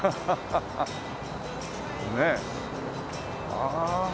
ああ。